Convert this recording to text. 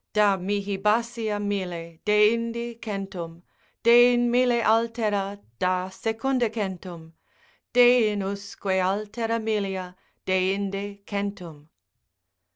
Da mihi basia mille, deindi centum, Dein mille altera, da secunda centum, Dein usque altera millia, deinde centum.